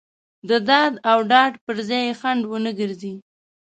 د داد او ډاډ پر ځای یې خنډ ونه ګرځي.